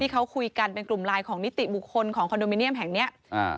เขาคุยกันเป็นกลุ่มไลน์ของนิติบุคคลของคอนโดมิเนียมแห่งเนี้ยอ่า